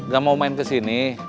gak mau main ke sini